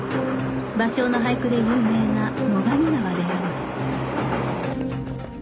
芭蕉の俳句で有名な最上川である